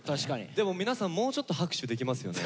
でも皆さんもうちょっと拍手できますよね。